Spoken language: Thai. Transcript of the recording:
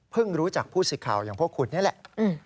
รู้จักผู้สิทธิ์ข่าวอย่างพวกคุณนี่แหละ